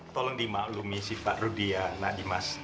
tolong dimaklumi si pak rudy ya nak di mas